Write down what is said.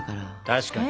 確かに。